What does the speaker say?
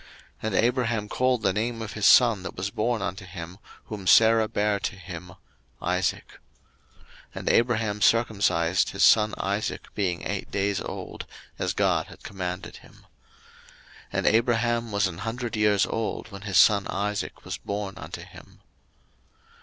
01:021:003 And Abraham called the name of his son that was born unto him, whom Sarah bare to him, Isaac. 01:021:004 And Abraham circumcised his son Isaac being eight days old, as God had commanded him. 01:021:005 And Abraham was an hundred years old, when his son Isaac was born unto him.